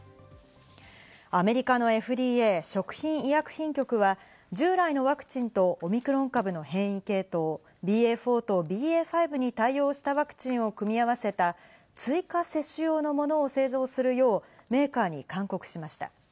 アメリカのＦＤＡ＝食品医薬品局は従来のワクチンとオミクロン株の変異系統ＢＡ．４とＢＡ．５に対応したワクチンを組み合わせた追加接種用の物を製造するようメーカーに勧告しました。